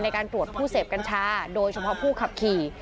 ในการตรวจผู้เสพกัญชาโดยเฉพาะผู้ขับขี่